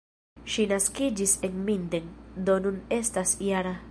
Ŝi naskiĝis en Minden, do nun estas -jara.